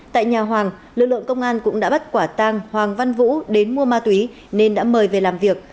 tại nhà hoàng lực lượng công an cũng đã bắt quả tang hoàng văn vũ đến mua ma túy nên đã mời về làm việc